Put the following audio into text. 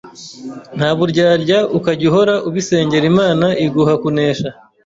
ntaburyarya ukajya uhora ubisengera Imana iguha kunesha